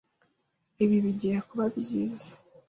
Ibi bigiye kuba byiza.